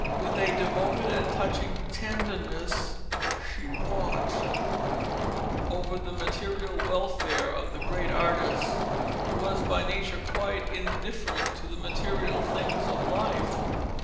With a devoted and touching tenderness she watched over the material welfare of the great artist, who was by nature quite indifferent to the material things of life.